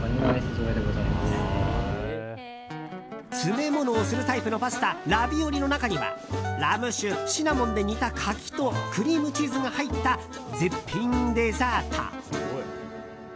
詰め物をするタイプのパスタラビオリの中にはラム酒、シナモンで煮た柿とクリームチーズが入った絶品デザート。